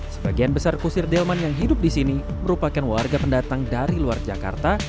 sebagian besar kusir delman yang hidup di sini merupakan warga pendatang dari luar jakarta